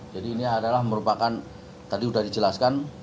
jadi ini adalah merupakan tadi sudah dijelaskan